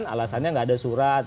alasannya nggak ada surat